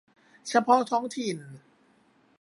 เฉพาะท้องถิ่น